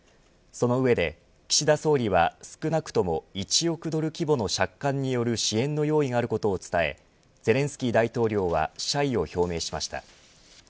その上で岸田総理は少なくとも１億ドル規模の借款にある支援の用意があることを伝えゼレンスキー大統領は謝意を表明しました。